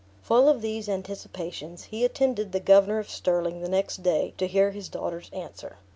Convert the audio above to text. Full of these anticipations, he attended the Governor of Stirling the next day, to hear his daughter's answer.